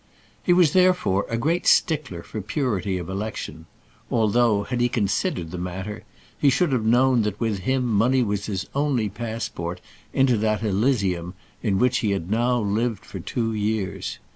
He was therefore a great stickler for purity of election; although, had he considered the matter, he should have known that with him money was his only passport into that Elysium in which he had now lived for two years.